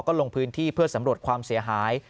ก็ลงพื้นที่เพื่อสำรวจความเสียหาย